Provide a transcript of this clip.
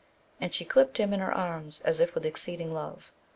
and she clipped him in her arms as if with exceeding love.